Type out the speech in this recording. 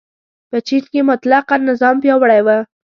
په چین کې مطلقه نظام پیاوړی و.